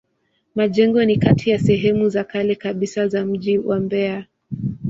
Majengo ni kati ya sehemu za kale kabisa za mji wa Mbeya.